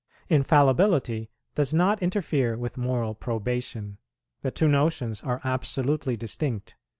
Infallibility does not interfere with moral probation; the two notions are absolutely distinct.